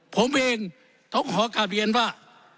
ผมเองต้องขอกลับเรียนว่า